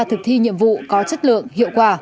thực thi nhiệm vụ có chất lượng hiệu quả